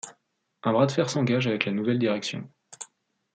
Un bras de fer s'engage avec la nouvelle direction.